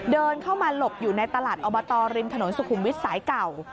เดินเข้ามาหลบอยู่ในตลาดอบตริมถนนสุขุมวิทย์สายเก่า